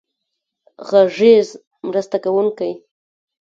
غږیز مرسته کوونکی.